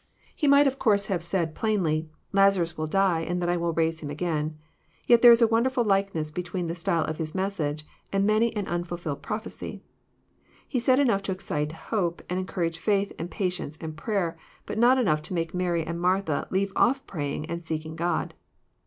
He might of course have said plainly, ''Lazams will die, and then I will raise him again. Yet there is a wonderftal likeness between the style of his message and many an unfulfilled prophecy. He said enough to excite hope, and encourage faith and patience and prayer, but not enough to make Mary and Martha leave off praying and seeking God.